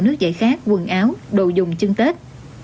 nước dạy khát quần áo đồ dùng chưng tết